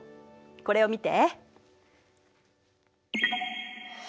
これを見て。